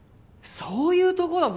そういうとこだぞ！